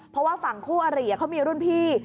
เพราะว่าฝั่งคู่อริเขามีรุ่นพี่